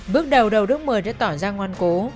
bước đầu đầu đức một mươi đã tỏ ra ngoan cố